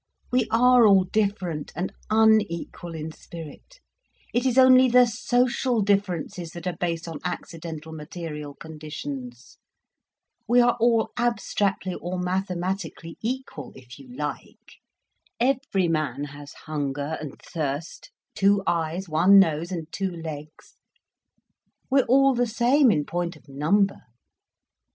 We are all different and unequal in spirit—it is only the social differences that are based on accidental material conditions. We are all abstractly or mathematically equal, if you like. Every man has hunger and thirst, two eyes, one nose and two legs. We're all the same in point of number.